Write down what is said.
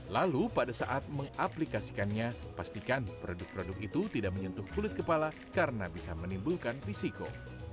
lalu pada saat mengaplikasikannya pastikan produk produk itu tidak menyentuh kulit kepala karena bisa menimbulkan risiko